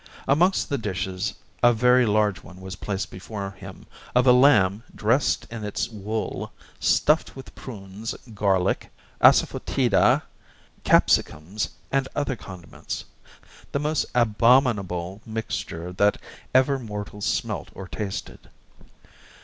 Amongst the dishes a very large one was placed before him of a lamb dressed in its wool, stuffed with prunes, garlic, assafoetida, capsicums, and other condiments, the most abominable mixture that ever mortal smelt or tasted.